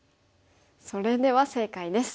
それでは正解です。